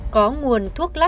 có nguồn thuốc lát